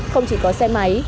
không chỉ có xe máy